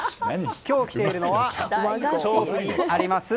今日、来ているのは調布市にあります